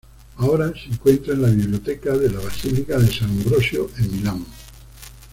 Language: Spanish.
Ahora se encuentra en la biblioteca de la Basílica de San Ambrosio en Milán.